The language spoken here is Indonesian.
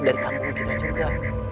dari kampung kita juga